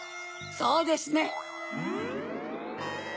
そうですね。